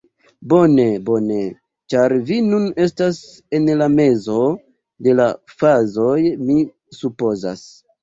Bone, bone, ĉar vi nun estas en la mezo de la fazoj mi supozas.